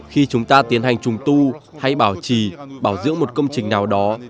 khi chúng ta tiến hành trùng tu hay bảo trì bảo dưỡng một công trình nào đó